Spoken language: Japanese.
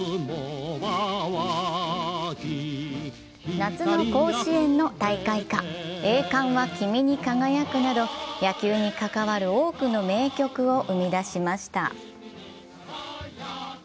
夏の甲子園の大会歌「栄冠は君に輝く」など野球に関わる多くの名曲を生み出しました。